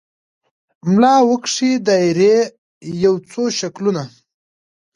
ملا وکښې دایرې یو څو شکلونه